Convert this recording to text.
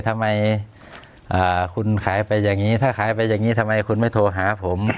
ทำไมคุณขายไปอย่างนี้ถ้าขายไปอย่างนี้ทำไมคุณไม่โทรหาผม